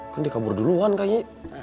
kan dikabur duluan kayaknya